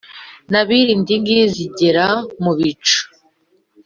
Na biridingi zigera mu bicu